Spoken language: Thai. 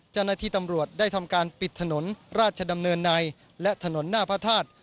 เจ้าหน้าที่ตำรวจได้ทำการปิดถนนราชดำเนินในและถนนหน้าพระธาตุ